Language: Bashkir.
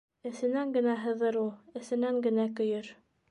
Эсенән генә һыҙыр ул, эсенән генә көйөр.